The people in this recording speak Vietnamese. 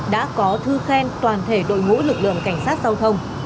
đã có thư khen toàn thể đội ngũ lực lượng cảnh sát giao thông